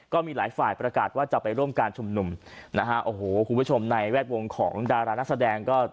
ก็มีหลายฝ่ายประกาศว่าจะไปร่วมการชุมนุมนะฮะโอ้โหคุณผู้ชมในแวดวงของดารานักแสดงก็